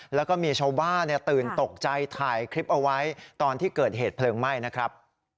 แล้วก็มีชาวบ้านตื่นตกใจถ่ายคลิปเอาไว้ตอนที่เกิดเหตุเพลิงไหม้นะครับ